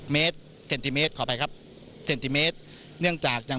๕เมตร๘๖เซนติเมตร